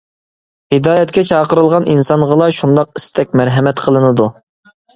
ھىدايەتكە چاقىرىلغان ئىنسانغىلا شۇنداق ئىستەك مەرھەمەت قىلىنىدۇ.